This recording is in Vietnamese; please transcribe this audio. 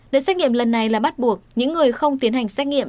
đợt xét nghiệm lần này là bắt buộc những người không tiến hành xét nghiệm